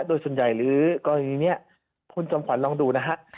โดยส่วนใหญ่หรือกรณีนี้คุณจอมขวัญลองดูนะฮะ